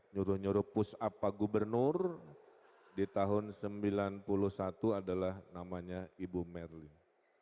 nyuruh nyuruh push up pak gubernur di tahun sembilan puluh satu adalah namanya ibu merlin